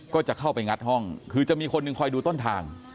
ก็จะเข้าไปงัดห้องคือจะมีคนหนึ่งคอยดูต้นทาง